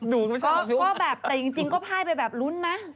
ดูไม่ชอบแต่จริงก็พ่ายไปแบบรุ่นนะ